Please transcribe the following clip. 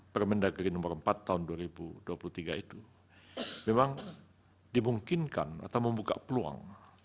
permendagri nomor empat tahun dua ribu dua puluh tiga itu memang dimungkinkan atau membuka peluang